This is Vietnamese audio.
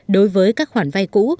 đối với các khoản vay cũ